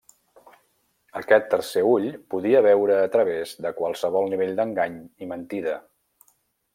Aquest tercer ull podia veure a través de qualsevol nivell d'engany i mentida.